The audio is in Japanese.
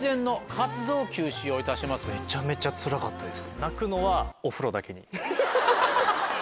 めちゃめちゃつらかったです。